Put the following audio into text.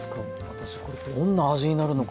私これどんな味になるのか